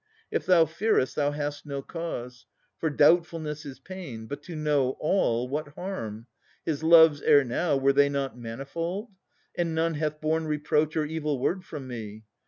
If thou fearest, Thou hast no cause for doubtfulness is pain, But to know all, what harm? His loves ere now Were they not manifold? And none hath borne Reproach or evil word from me.